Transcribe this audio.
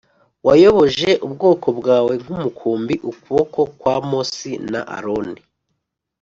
wayoboje ubwoko bwawe nk’umukumbi ukuboko kwa mose na aroni